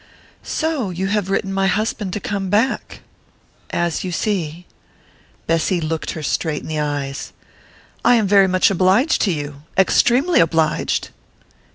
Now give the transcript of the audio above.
"So you have written my husband to come back?" "As you see." Bessy looked her straight in the eyes. "I am very much obliged to you extremely obliged!"